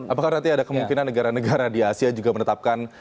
apakah nanti ada kemungkinan negara negara di asia juga menetapkan